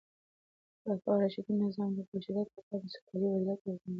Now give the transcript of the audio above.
د خلفای راشدینو نظام د بشریت لپاره د سوکالۍ او عدالت یوازینۍ لاره ده.